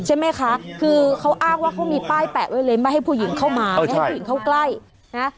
ใช่ไหมคะคือเขาอ้างว่าเขามีป้ายแปะไว้เลยไม่ให้ผู้หญิงเข้ามาไม่ให้ผู้หญิงเข้าใกล้นะ